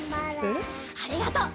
ありがとう！